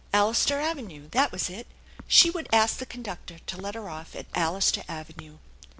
Allister Avenue! That was it. She would ask the conductor to let her off at Allister Avenue.